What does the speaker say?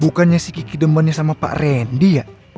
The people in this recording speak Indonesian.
bukannya sih kiki dembanya sama pak rendi ya